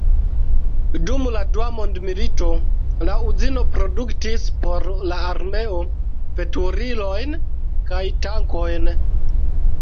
Dum la Dua mondmilito la uzino produktis por la armeo veturilojn kaj tankojn.